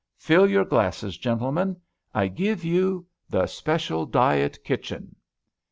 Fill your glasses, gentlemen; I give you 'the Special Diet Kitchen.'"